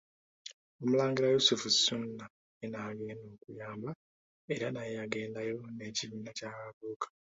Omulangira Yusufu Ssuuna ye n'agenda okuyamba era naye yagendayo n'ekibiina ky'abavubuka.